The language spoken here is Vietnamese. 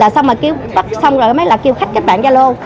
xong rồi mới là kêu khách các bạn giao lô